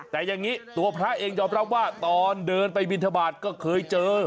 แต่อย่างนี้ตัวพระเองยอมรับว่าตอนเดินไปบินทบาทก็เคยเจอ